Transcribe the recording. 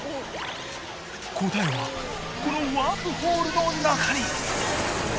答えはこのワープホールの中に。